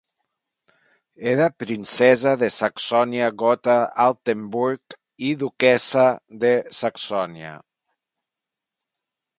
Era princesa de Saxònia-Gotha-Altenburg i duquessa de Saxònia.